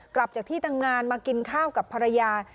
กลับจากที่ทำงานมากินข้าวกับภรรยา